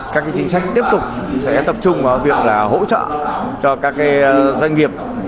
các chính sách tiếp tục sẽ tập trung vào việc là hỗ trợ cho các doanh nghiệp